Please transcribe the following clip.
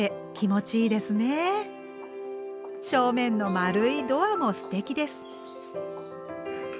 正面の丸いドアもすてきです。